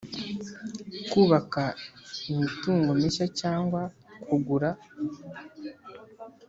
kubaka imitungo mishya cyangwa kugura